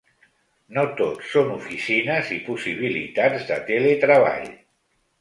No tot són oficines i possibilitats de teletreball.